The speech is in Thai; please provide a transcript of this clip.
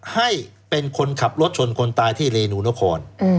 ให้เป็นคนขับรถชนคนตายที่เรนูนคร